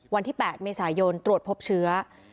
วันที่๘เมษายนตรวจพบเชื้อ